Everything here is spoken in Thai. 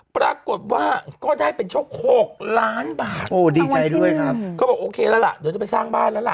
ปรากฏว่าก็ได้เป็นโชคหกล้านบาทโอ้ดีใจด้วยครับเขาบอกโอเคแล้วล่ะเดี๋ยวจะไปสร้างบ้านแล้วล่ะ